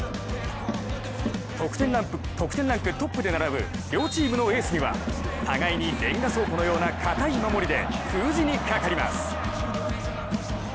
得点ランクトップで並ぶ両チームのエースには互いにレンガ倉庫のような堅い守りで封じにかかります。